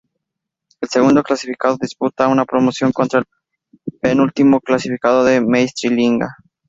El segundo clasificado disputa una promoción contra el penúltimo clasificado de la Meistriliiga.